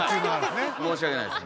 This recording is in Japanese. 申し訳ないです。